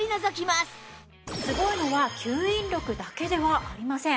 すごいのは吸引力だけではありません。